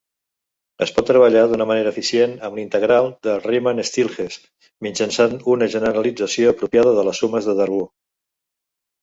Es pot treballar d'una manera eficient amb l'integral de Riemann-Stieltjes mitjançant una generalització apropiada de les sumes de Darboux.